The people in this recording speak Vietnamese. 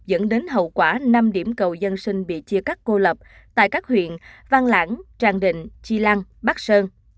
dẫn đến hậu quả năm điểm cầu dân sinh bị chia cắt cô lập tại các huyện văn lãng tràng định chi lăng bắc sơn